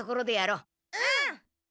うん！